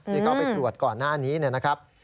ที่เขาไปตรวจก่อนหน้านี้นะครับ